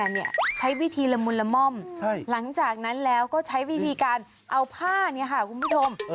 เนี่ยใช้วิธีละมุนละม่อมหลังจากนั้นแล้วก็ใช้วิธีการเอาผ้าเนี่ยค่ะคุณผู้ชม